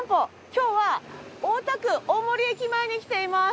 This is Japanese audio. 今日は大田区大森駅前に来ています。